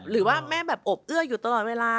หรือแม่แบบโอบอยู่ตลอดเวลา